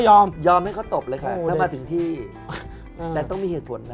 ยอมยอมให้เขาตบเลยค่ะแล้วมาถึงที่แต่ต้องมีเหตุผลนะ